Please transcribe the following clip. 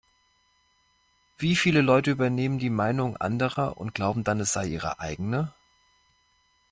Wie viele Leute übernehmen die Meinung anderer und glauben dann, es sei ihre eigene?